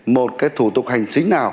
một cái thủ tục hành chính nào